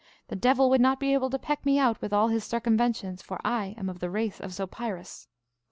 The devil would not be able to peck me out with all his circumventions, for I am of the race of Zopyrus.